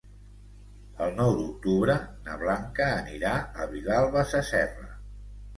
El nou d'octubre na Blanca anirà a Vilalba Sasserra.